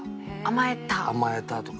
甘えたとか。